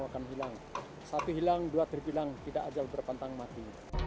akan hilang satu hilang dua terbilang tidak ajal berpantang mati